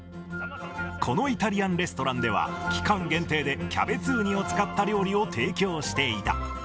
このイタリアンレストランでは、期間限定で、キャベツウニを使った料理を提供していた。